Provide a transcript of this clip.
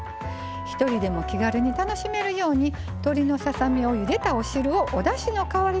ひとりでも気軽に楽しめるように鶏のささ身をゆでたお汁をおだしの代わりに活用します。